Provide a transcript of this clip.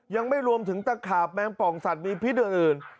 ยังไม่รวมถึงตะขาบแมงป่องสัตว์มีพิษอื่น